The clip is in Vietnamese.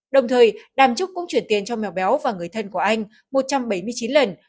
đồng thời đàm trúc cũng chuyển tiền cho mèo béo và người thân của anh một trăm bảy mươi chín lần